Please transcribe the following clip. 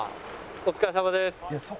お疲れさまです！